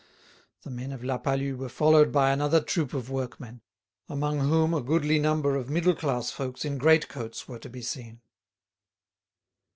The men of La Palud were followed by another troop of workmen, among whom a goodly number of middle class folks in great coats were to be seen.